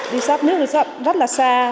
đi sắp nước thì sắp rất là xa